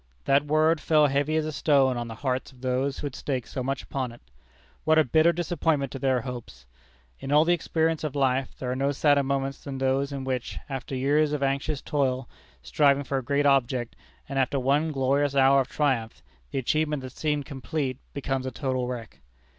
That word fell heavy as a stone on the hearts of those who had staked so much upon it. What a bitter disappointment to their hopes! In all the experience of life there are no sadder moments than those in which, after years of anxious toil, striving for a great object, and after one glorious hour of triumph, the achievement that seemed complete becomes a total wreck.